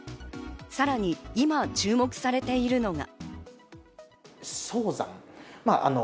さらに今、注目されているのが。